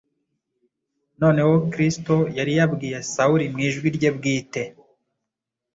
Noneho Kristo yari yabwiye Sawuli mu ijwi rye bwite